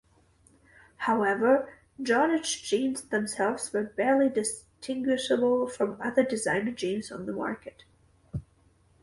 However, Jordache jeans themselves were barely distinguishable from other designer jeans on the market.